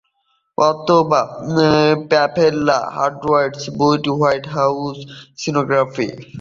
অথবা Pamela Howard তার বই হোয়াট ইজ সিনোগ্রাফি?